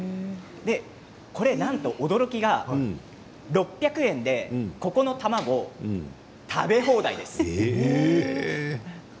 これ、なんと驚きは６００円で、ここのたまご食べ放題です。